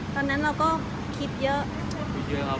ก็ดีขึ้นครับ